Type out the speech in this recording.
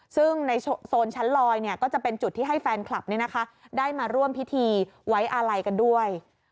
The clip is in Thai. ซึ่งในโซนชั้นลอยนี้จะเป็นจุดให้แฟนคลับได้มาร่วมพิธีไว้อะไรด้วย